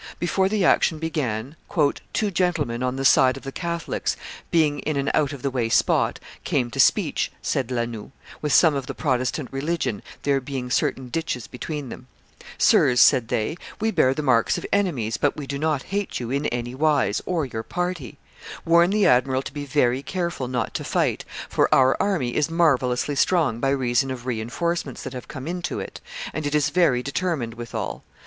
Before the action began, "two gentlemen on the side of the Catholics, being in an out of the way spot, came to speech," says La Noue, "with some of the (Protestant) religion, there being certain ditches between them. [Illustration: Parley before the Battle of Moncontour 337] 'Sirs,' said they, 'we bear the marks of enemies, but we do not hate you in any wise, or your party. Warn the admiral to be very careful not to fight, for our army is marvellously strong by reason of re enforcements that have come in to it, and it is very determined withal.